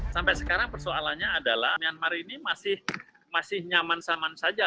sampai sekarang persoalannya adalah myanmar ini masih nyaman saman saja